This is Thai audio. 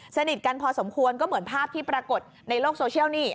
สนิทกันพอสมควรก็เหมือนภาพที่ปรากฏในโลกโซเชียลนี่